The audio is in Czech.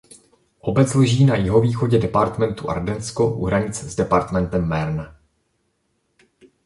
Obec leží na jihovýchodě departementu Ardensko u hranic s departementem Marne.